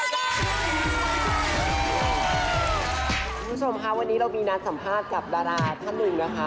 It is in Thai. คุณผู้ชมค่ะวันนี้เรามีนัดสัมภาษณ์กับดาราท่านหนึ่งนะคะ